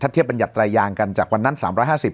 ถ้าเทียบเป็นหยัดตรายยางกันจากวันนั้นสามร้อยห้าสิบ